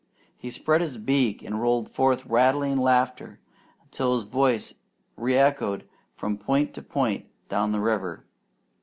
He spread his beak and rolled forth rattling laughter, until his voice reechoed from point to point down the river.